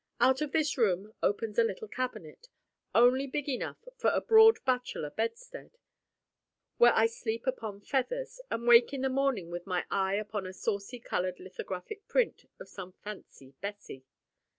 Out of this room opens a little cabinet, only big enough for a broad bachelor bedstead, where I sleep upon feathers, and wake in the morning with my eye upon a saucy colored lithographic print of some fancy "Bessy."